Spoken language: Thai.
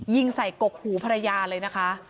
ยิงใส่กกหูภรรยาเลยนะคะ